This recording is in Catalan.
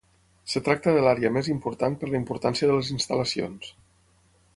Es tracta de l'àrea més important per la importància de les instal·lacions.